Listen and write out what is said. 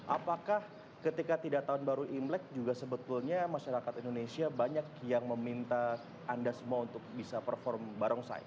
apakah ketika tidak tahun baru imlek juga sebetulnya masyarakat indonesia banyak yang meminta anda semua untuk bisa perform barongsai